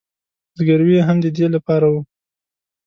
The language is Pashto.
زګیروي یې هم د دې له پاره و.